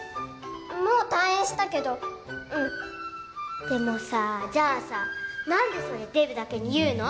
もう退院したけどうんでもさじゃあさ何でそれデブだけに言うの？